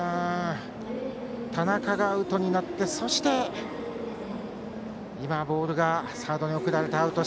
田中がアウトになってそして、ボールがサードに送られてアウト。